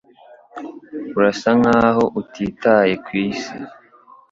Urasa nkaho utitaye ku isi.